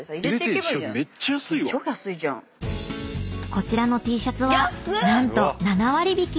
［こちらのＴシャツは何と７割引き］